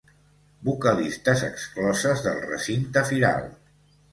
Vocalistes excloses del recinte firal.